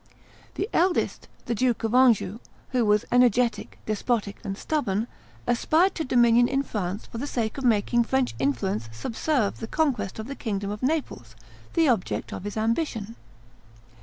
The eldest, the Duke of Anjou, who was energetic, despotic, and stubborn, aspired to dominion in France for the sake of making French influence subserve the conquest of the kingdom of Naples, the object of his ambition.